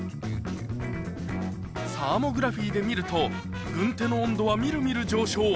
サーモグラフィーで見ると、軍手の温度はみるみる上昇。